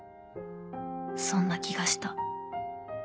そんな気がした